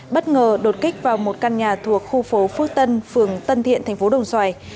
bất ngờ đột kích vào một căn nhà thuộc khu phố phước tân phường tân thiện thành phố đồng xoài